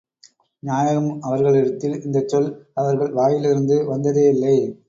நாயகம் அவர்களிடத்தில் இந்தச் சொல், அவர்கள் வாயிலிருந்து வந்ததே இல்லை.